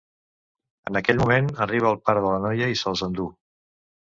En aquell moment arriba el pare de la noia i se’ls enduu.